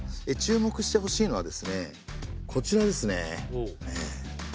注目してほしいのはですねこちらですね。